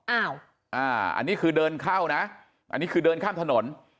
อันนี้คือเดินเข้านะอันนี้คือเดินข้ามถนน